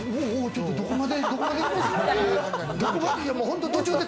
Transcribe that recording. ちょっとどこまで。